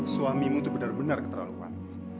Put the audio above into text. suamimu tuh bener bener keterlaluan